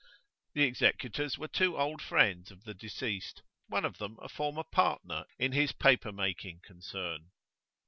The executors were two old friends of the deceased, one of them a former partner in his paper making concern.